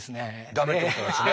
ダメってことなんですね。